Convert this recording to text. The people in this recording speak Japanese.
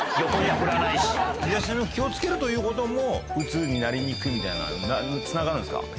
身だしなみを気を付けるということもうつになりにくいみたいなつながるんですか？